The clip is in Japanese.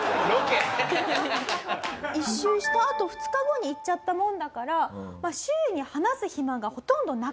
一周したあと２日後に行っちゃったもんだから周囲に話す暇がほとんどなかったと。